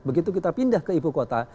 begitu kita pindah ke ibu kota